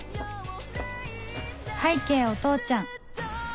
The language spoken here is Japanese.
拝啓お父ちゃん